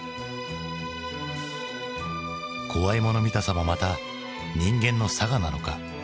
怖いもの見たさもまた人間のさがなのか。